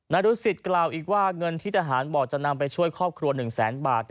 รุศิษย์กล่าวอีกว่าเงินที่ทหารบอกจะนำไปช่วยครอบครัว๑แสนบาท